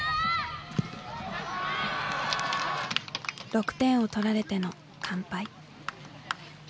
６点を取られての完敗。